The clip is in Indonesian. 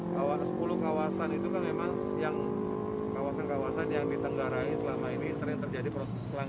sepuluh kawasan itu kan memang kawasan kawasan yang ditenggarai selama ini sering terjadi perkelangan